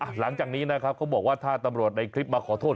หลังจากนี้นะครับเขาบอกว่าถ้าตำรวจในคลิปมาขอโทษ